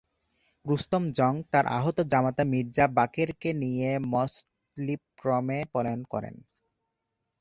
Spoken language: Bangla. রুস্তম জং তাঁর আহত জামাতা মির্জা বাকেরকে নিয়ে মসলিপট্টমে পলায়ন করেন।